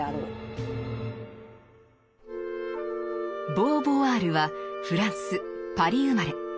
ボーヴォワールはフランス・パリ生まれ。